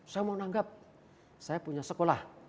saya mau nagap saya punya sekolah